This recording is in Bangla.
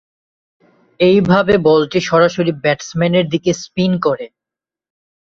এইভাবে বলটি সরাসরি ব্যাটসম্যানের দিকে স্পিন করে।